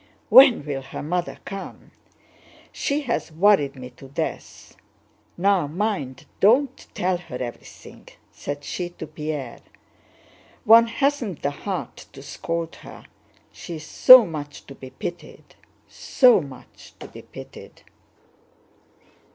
"When will her mother come? She has worried me to death! Now mind, don't tell her everything!" said she to Pierre. "One hasn't the heart to scold her, she is so much to be pitied, so much to be pitied."